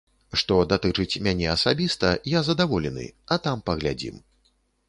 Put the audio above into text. Што датычыць мяне асабіста, я задаволены, а там паглядзім.